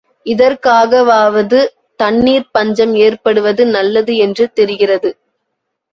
இதற்காகவாவது தண்ணீர்ப் பஞ்சம் ஏற்படுவது நல்லது என்று தெரிகிறது.